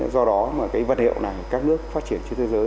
do đó mà cái vật liệu này các nước phát triển trên thế giới